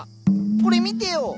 これ見てよ。